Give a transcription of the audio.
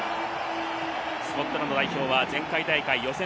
スコットランド代表は前回大会予選